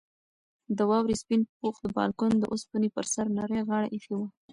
د واورې سپین پوښ د بالکن د اوسپنې پر سر نرۍ غاړه ایښې وه.